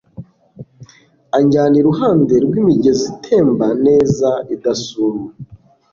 anjyana i ruhande rw'imigezi itemba neza idasuma